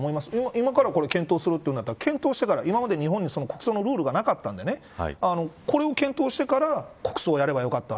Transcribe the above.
今から検討するっていうんだったら検討してから今まで日本に国葬のルールがなかったんでこれを検討してから国葬やればよかった